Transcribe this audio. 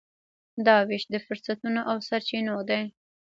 دا وېش د فرصتونو او سرچینو دی.